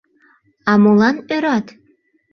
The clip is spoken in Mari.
— А молан ӧрат?